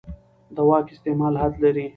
د واک استعمال حد لري